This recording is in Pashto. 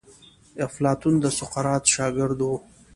افلاطون د سقراط شاګرد وو.